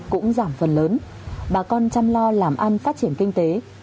cũng giảm phần lớn bà con chăm lo làm ăn phát triển kinh tế